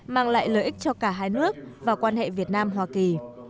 mang lại lợi ích cho cả hai nước và quan hệ việt nam hoa kỳ